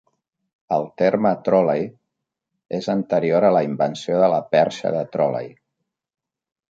El terme "tròlei" és anterior a la invenció de la perxa de tròlei.